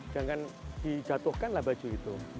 jangan dijatuhkanlah baju itu